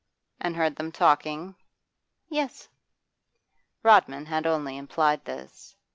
'And heard them talking?' 'Yes.' Rodman had only implied this.